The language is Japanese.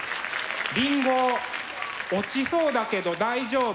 りんご落ちそうだけど大丈夫？